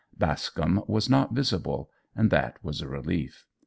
Bascombe was not visible, and that was a relief.